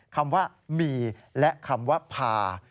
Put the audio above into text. คำว่ามีและคำว่าพา